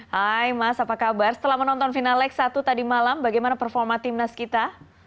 hai mas apa kabar setelah menonton final leg satu tadi malam bagaimana performa timnas kita